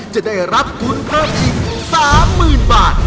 จะได้รับทุนเพิ่มอีก๓๐๐๐บาท